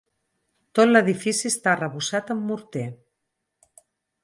Tot l’edifici està arrebossat amb morter.